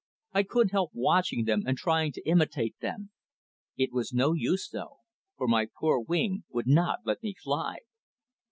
I couldn't help watching them and trying to imitate them. It was no use, though, for my poor wing would not let me fly.